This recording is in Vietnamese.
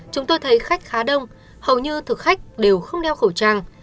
chúng tôi thấy khách khá đông hầu như thực khách đều không đeo khẩu trang